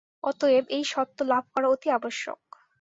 অতএব এই সত্ত্ব লাভ করা অতি আবশ্যক।